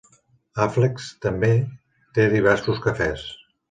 Afflecks també té diversos cafès.